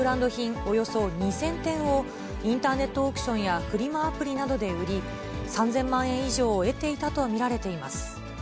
およそ２０００点を、インターネットオークションやフリマアプリなどで売り、３０００万円以上を得ていたと見られています。